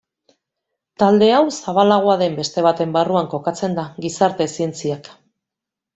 Talde hau zabalago den beste baten barruan kokatzen da: gizarte-zientziak.